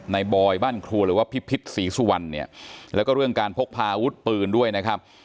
บอยบ้านครัวหรือว่าพิพิษศรีสุวรรณเนี่ยแล้วก็เรื่องการพกพาอาวุธปืนด้วยนะครับ